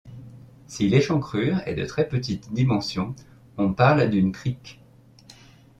Si l'échancrure est de très petite dimension, on parle d'une crique.